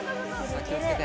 さあ気をつけて。